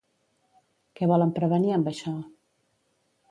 Què volen prevenir amb això?